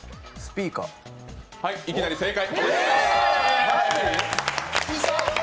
はい、いきなり正解。